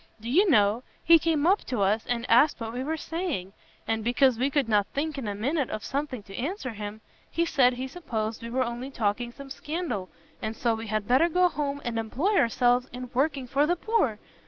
Do you know, he came up to us, and asked what we were saying! and because we could not think in a minute of something to answer him, he said he supposed we were only talking some scandal, and so we had better go home, and employ ourselves in working for the poor!